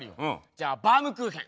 じゃあ「バウムクーヘン」。